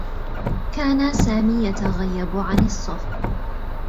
كان سامي يتغيّب عن الصّف.